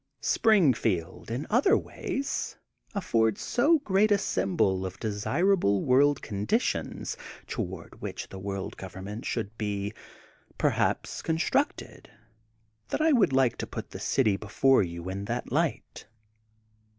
Springfield, in other ways, affords so good a symbol of desirable world conditions, tow^d which the World Government should be, perhaps, constructed, that I would like to put the city before you in that light.